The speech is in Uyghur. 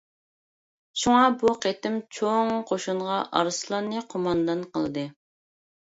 شۇڭا بۇ قېتىم چوڭ قوشۇنغا ئارسلاننى قوماندان قىلدى.